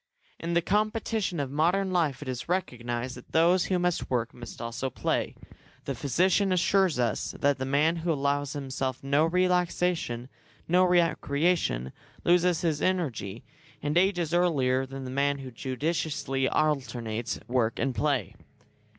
In the competition of modern life it is recognised that those who must work must also play. The physician assures us that the man who allows himself no relaxation, no recreation, loses his energy, and ages earlier than the man who judiciously alternates work and play.